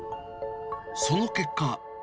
その結果。